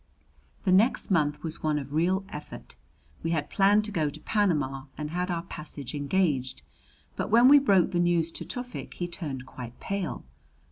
The next month was one of real effort. We had planned to go to Panama, and had our passage engaged; but when we broke the news to Tufik he turned quite pale.